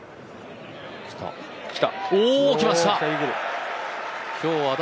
来ました！